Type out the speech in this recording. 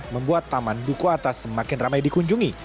membuat taman duku atas semakin ramai dikunjungi